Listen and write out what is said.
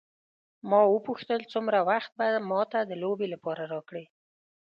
ما وپوښتل څومره وخت به ما ته د لوبې لپاره راکړې.